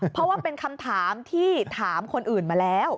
เพราะว่าเป็นคำถามที่ถามคนอื่นมาแล้ว